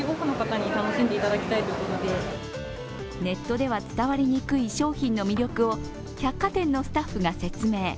ネットでは伝わりにくい商品の魅力を百貨店のスタッフが説明。